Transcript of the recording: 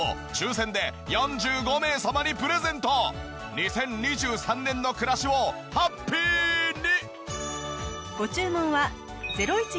２０２３年の暮らしをハッピーに！